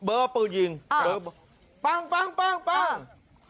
เบิร์ตก็ปืนยิงปังปังปังปัง